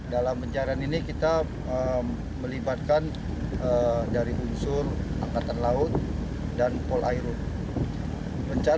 dalam pencarian ini kita melibatkan dari unsur angkatan laut dan polairut